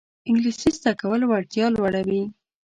انګلیسي زده کول وړتیا لوړوي